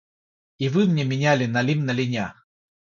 И вы мне меняли налим на линя.